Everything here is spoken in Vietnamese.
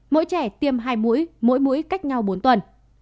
mỗi trẻ tiêm hai mũi mỗi mũi cách nhau bốn tuần